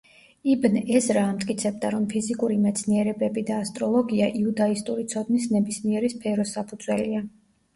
იბნ ეზრა ამტკიცებდა, რომ ფიზიკური მეცნიერებები და ასტროლოგია იუდაისტური ცოდნის ნებისმიერი სფეროს საფუძველია.